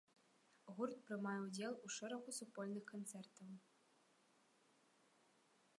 Гурт прымае ўдзел у шэрагу супольных канцэртаў.